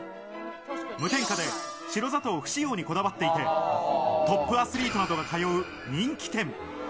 無添加で白砂糖不使用にこだわっていて、トップアスリートなどが通う人気店。